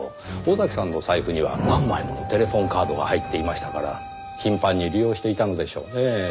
尾崎さんの財布には何枚もテレフォンカードが入っていましたから頻繁に利用していたのでしょうねぇ。